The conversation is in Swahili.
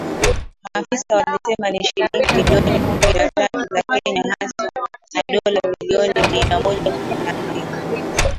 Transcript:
Maafisa walisema ni shilingi bilioni kumi na tatu za Kenya sawa na dola milioni mia moja kumi na mbili